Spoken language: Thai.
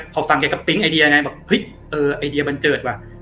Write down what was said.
พอฟังแกก็ปิ๊งไอเดียไงบอกเฮ้ยเออไอเดียบันเจิดว่ะ